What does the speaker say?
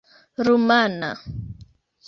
rumana